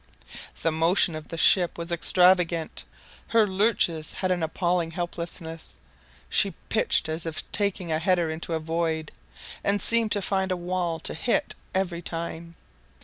The motion of the ship was extravagant. Her lurches had an appalling helplessness: she pitched as if taking a header into a void, and seemed to find a wall to hit every time.